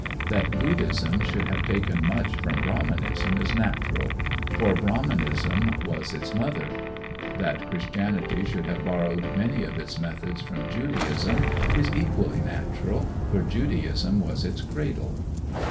That Buddhism should have taken much from Brahmanism is natural; for Brahmanism was its mother. That Christianity should have borrowed many of its methods from Judaism is equally natural; for Judaism was its cradle.